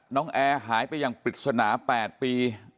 แอร์หายไปอย่างปริศนา๘ปี